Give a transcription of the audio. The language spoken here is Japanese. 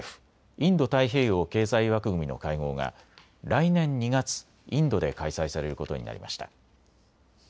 ・インド太平洋経済枠組みの会合が来年２月、インドで開催されることになりました。